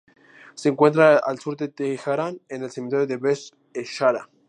Se encuentra al sur de Teherán, en el cementerio Behesht-e Zahra.